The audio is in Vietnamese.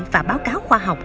và báo cáo khoa học